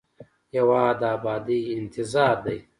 هېواد د ابادۍ انتظار دی.